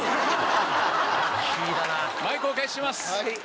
マイクをお返しします。